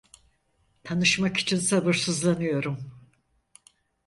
Tanışmak için sabırsızlanıyorum.